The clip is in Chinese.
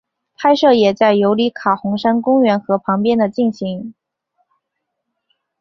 拍摄也在尤里卡红杉公园和旁边的进行。